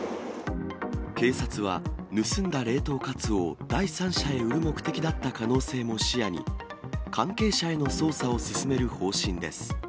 警察は、盗んだ冷凍カツオを第三者に売る目的だった可能性も視野に、関係者への捜査を進める方針です。